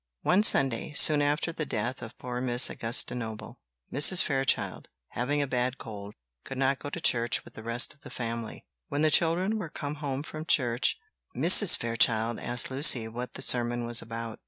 "] One Sunday, soon after the death of poor Miss Augusta Noble, Mrs. Fairchild, having a bad cold, could not go to church with the rest of the family. When the children were come home from church, Mrs. Fairchild asked Lucy what the sermon was about.